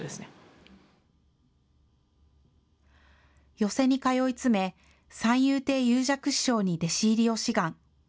寄席に通い詰め、三遊亭遊雀師匠に弟子入りを志願。